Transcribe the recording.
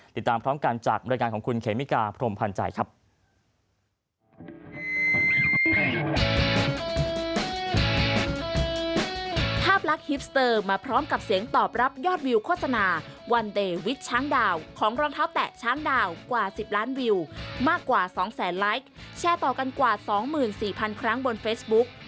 ติดตามพร้อมกันจากบริการของคุณเขมิกาพรมพันธ์ใจครับ